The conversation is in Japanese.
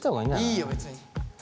いいよ別に。